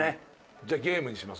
じゃあゲームにします。